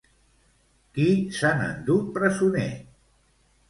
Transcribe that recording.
Qui s'han endut presoner?